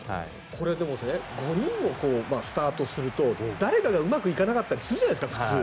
これ５人でスタートすると誰かがうまくいかなかったりするじゃないですか、普通。